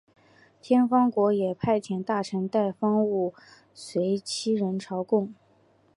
天方国也派遣大臣带方物随七人朝贡。